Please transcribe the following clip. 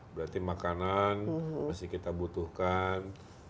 berarti makanan masih kita butuhkan